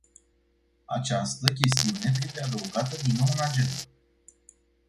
Această chestiune trebuie adăugată din nou în agendă.